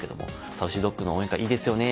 「ＳａｕｃｙＤｏｇの応援歌いいですよね」